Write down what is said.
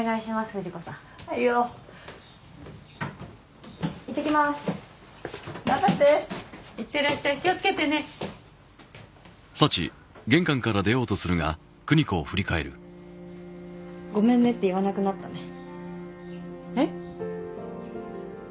富士子さんはいよいってきます頑張っていってらっしゃい気をつけてね「ごめんね」って言わなくなったねえっ？